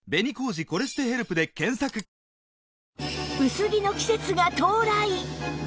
薄着の季節が到来！